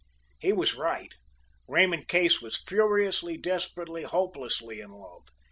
He was right, Raymond Case was furiously, desperately, hopelessly in love.